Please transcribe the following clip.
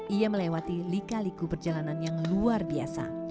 ia melewati lika liku perjalanan yang luar biasa